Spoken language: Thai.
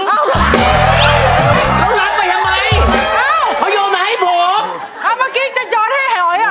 แล้วรับไปทำไมเอ้าเขาโยนมาให้ผมอ่ะเมื่อกี้จะยอดให้หอยอ่ะ